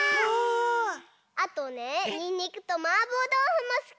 あとねにんにくとマーボーどうふもすき！